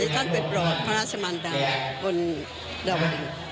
ท่านไปปลอดพระราชมันดาบนดาวดึง